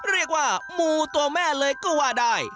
เรียกว่ามูตัวแม่เลยก็ว่าได้